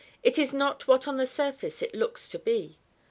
It is not what on the surface it looks to be.